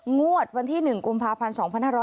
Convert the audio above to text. งวดวันที่๑กุมภาพันธ์๒๕๖๐